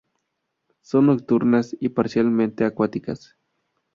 Son nocturnas y parcialmente acuáticas.